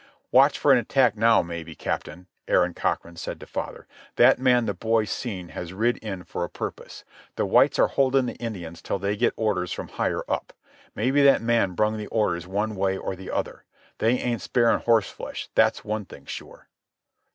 "Watch for an attack now maybe, Captain," Aaron Cochrane said to father. "That man the boys seen has rid in for a purpose. The whites are holding the Indians till they get orders from higher up. Maybe that man brung the orders one way or the other. They ain't sparing horseflesh, that's one thing sure."